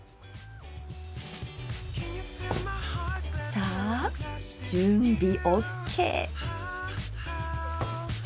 さあ準備ＯＫ！